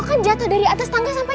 akan jatuh dari atas tangga sampai